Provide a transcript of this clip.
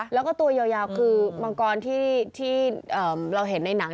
แล้วก็ตัวยาวคือมังกรที่เราเห็นในหนัง